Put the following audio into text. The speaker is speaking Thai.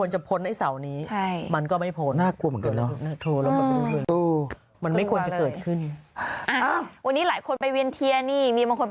เหรอมันไม่ควรจะเกิดขึ้น